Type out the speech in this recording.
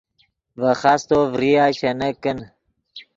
ڤے خاستو ڤریا شینک کن